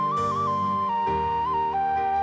บ๊ายบาย